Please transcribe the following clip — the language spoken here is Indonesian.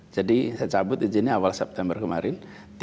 jadi saya cabut izinnya awal september kemarin